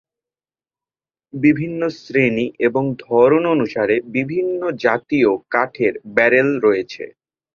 বিভিন্ন শ্রেণী এবং ধরন অনুসারে বিভিন্ন জাতিয় কাঠের ব্যারেল রয়েছে।